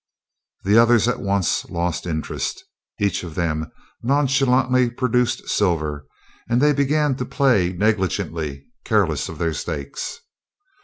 The others at once lost interest. Each of them nonchalantly produced silver, and they began to play negligently, careless of their stakes.